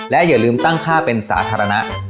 อย่าลืมตั้งค่าเป็นสาธารณะ